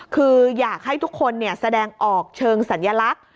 คืออยากให้ทุกคนแสดงออกเชิงสัญลักษณ์